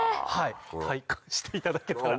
体感していただけたら。